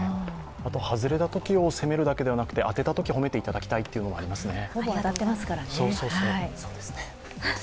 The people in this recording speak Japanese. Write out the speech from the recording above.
外れたときを責めるだけではなくて、当てたとき、褒めていただきたいというのがありますね。